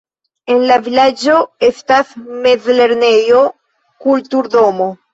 En la vilaĝo estas mezlernejo, kulturdomo.